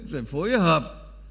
rồi phối hợp